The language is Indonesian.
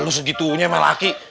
lu segitunya melaki